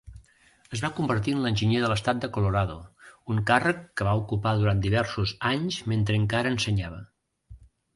Es va convertir en l'enginyer de l'estat de Colorado, un càrrec que va ocupar durant diversos anys mentre encara ensenyava.